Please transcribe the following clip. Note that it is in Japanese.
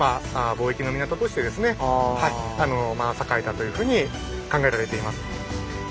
というふうに考えられています。